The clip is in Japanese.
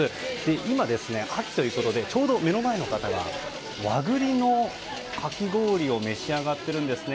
今、秋ということでちょうど目の前の方が和栗のかき氷を召し上がっているんですね。